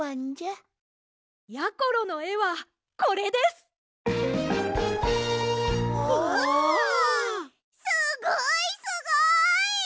すごいすごい！